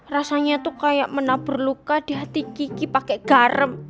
rasanya tuh kayak menabur luka di hati gigi pakai garam